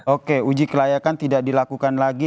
oke uji kelayakan tidak dilakukan lagi